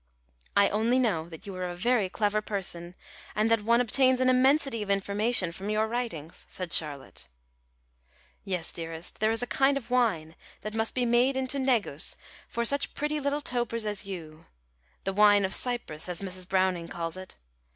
"I only know that you are a very clever person, and that one obtains an immensity of information from your writings," said Charlotte. "Yes, dearest, there is a kind of wine that must be made into negus for such pretty little topers as you the 'Wine of Cyprus,' as Mrs. Browning called it.